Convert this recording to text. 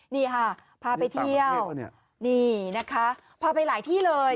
นี่ค่ะพาไปเที่ยวนี่นะคะพาไปหลายที่เลย